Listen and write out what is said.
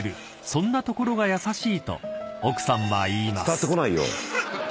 ［そんなところが優しいと奥さんは言います］